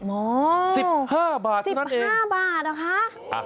๑๕บาทเท่านั้นเอง๑๕บาทเหรอคะ